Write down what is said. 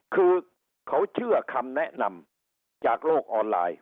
คือเขาเชื่อคำแนะนำจากโลกออนไลน์